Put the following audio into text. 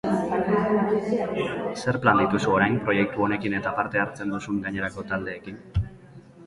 Zer plan dituzu orain, proiektu honekin eta parte hartzen duzun gainerako taldeekin?